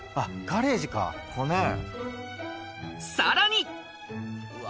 さらに。